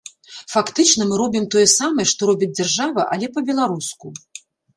Фактычна мы робім тое самае, што робіць дзяржава, але па-беларуску.